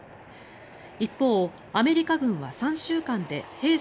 一方、アメリカ軍は３週間で兵士